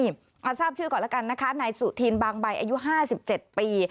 มาทราบชื่อก่อนแล้วกันนะคะนายสุธินบางใบอายุ๕๗ปี